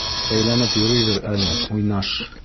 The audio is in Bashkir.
Әйләнеп йөрөйҙөр әле, уйнаш!